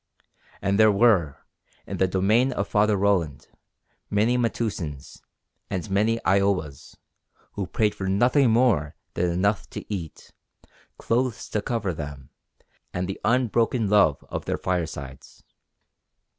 And there were, in the domain of Father Roland, many Metoosins, and many I owas, who prayed for nothing more than enough to eat, clothes to cover them, and the unbroken love of their firesides.